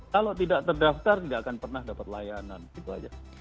kalau tidak terdaftar tidak akan pernah dapat layanan gitu aja